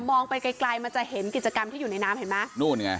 มองไปไกลมันจะเห็นกิจกรรมที่อยู่ในน้ำเห็นมั้ย